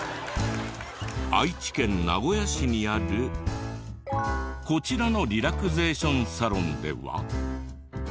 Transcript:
愛知県名古屋市にあるこちらのリラクゼーションサロンでは。